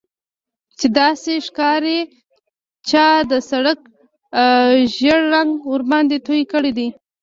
چې داسې ښکاري چا د سړک ژیړ رنګ ورباندې توی کړی دی